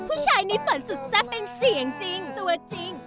ผู้ชายในฝันสุดแซ่บเป็นเสียงจริงตัวจริง